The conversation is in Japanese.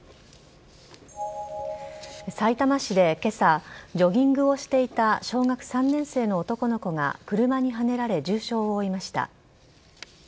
さいたま市で今朝ジョギングをしていた小学３年生の男の子が車にはねられ重傷を負いました。